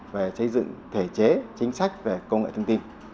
về xây dựng thể chế chính sách về công nghệ thông tin